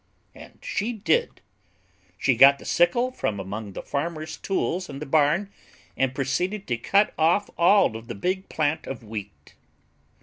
And she did. She got the sickle from among the farmer's tools in the barn and proceeded to cut off all of the big plant of Wheat.